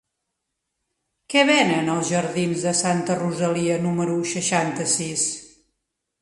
Què venen als jardins de Santa Rosalia número seixanta-sis?